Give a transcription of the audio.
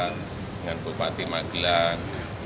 dengan bupati magilan